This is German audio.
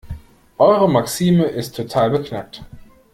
Eure Maxime ist total beknackt.